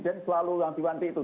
jadi presiden selalu nanti nanti